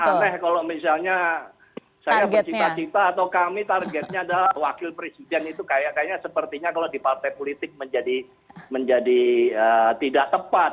aneh kalau misalnya saya bercita cita atau kami targetnya adalah wakil presiden itu kayaknya sepertinya kalau di partai politik menjadi tidak tepat